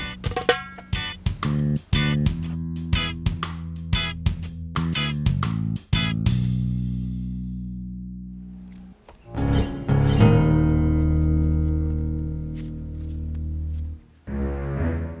tidak ada operasi bos